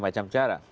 banyak macam cara